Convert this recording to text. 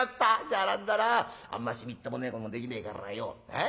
じゃあ何だなあんましみっともねえこともできねえからよえ？